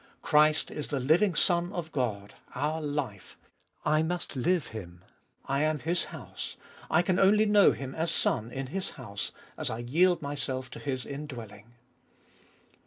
Christ is the living Son of God, our life ; I must live Him. I am His house ; I can only know Him as Son in His house as I yield myself to His indwelling.